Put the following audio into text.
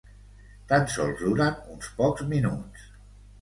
Tan sols duren uns pocs minuts.